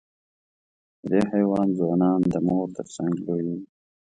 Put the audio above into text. د دې حیوان ځوانان د مور تر څنګ لویېږي.